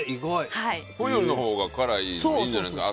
冬のほうが辛いのいいんじゃないですか。